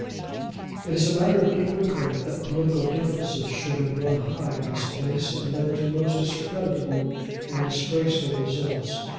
It is a matter of deep regret that political differences should have run high in this place, and led to most discreditable and disgraceful results.